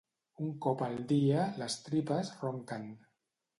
Un cop al dia, les tripes ronquen.